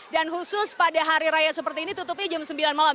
dan khusus pada hari raya seperti ini tutupnya jam sembilan malam